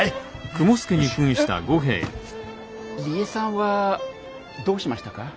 梨江さんはどうしましたか？